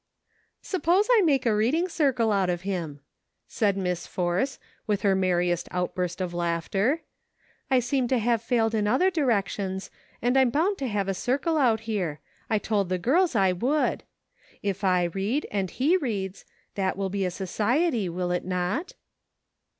" Suppose I make a reading circle out of him," said Miss Force, with her merriest outburst of laughter. " I seem to have failed in other direc tions, and I'm bound to have a circle out here ; I told the girls I would. If I read, and he reads, that will be a ' society,' will it not